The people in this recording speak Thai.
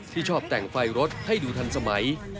ชอบแต่งไฟรถให้ดูทันสมัย